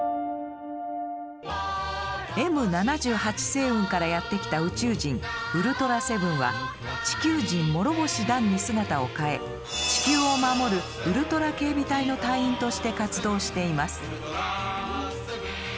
星雲からやって来た宇宙人ウルトラセブンは地球人モロボシ・ダンに姿を変え地球を守るウルトラ警備隊の隊員として活動しています。